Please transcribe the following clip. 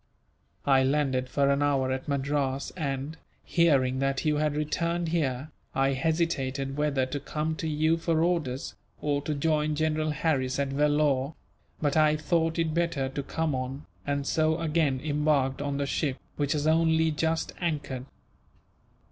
I landed for an hour at Madras and, hearing that you had returned here, I hesitated whether to come to you for orders, or to join General Harris at Vellore; but I thought it better to come on, and so again embarked on the ship, which has only just anchored."